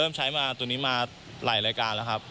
เริ่มใช้มาตัวนี้ลายรายการแล้วครับ